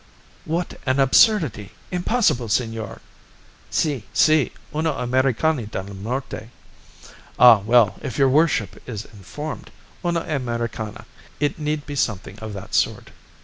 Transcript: "What an absurdity! Impossible, senor!" "Si! Si! Una Americana del Norte." "Ah, well! if your worship is informed. Una Americana; it need be something of that sort."